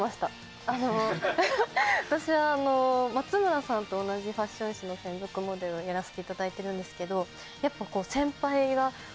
私松村さんと同じファッション誌の専属モデルをやらせていただいてるんですけど。